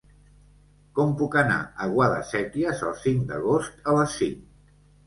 Com puc anar a Guadasséquies el cinc d'agost a les cinc?